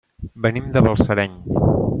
Venim de Balsareny.